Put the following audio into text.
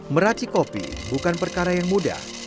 meraci kopi bukan perkara yang mudah